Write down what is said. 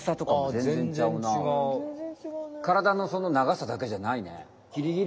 カラダのその長さだけじゃないね。